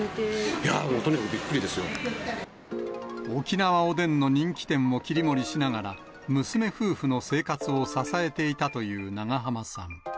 いやぁ、もうとにかくびっく沖縄おでんの人気店を切り盛りしながら、娘夫婦の生活を支えていたという長濱さん。